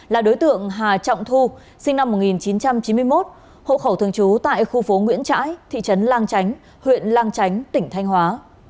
là đối tượng hà trọng thu sinh năm một nghìn chín trăm chín mươi một hộ khẩu thường trú tại khu phố nguyễn trãi thị trấn lang chánh huyện lang chánh tỉnh thanh hóa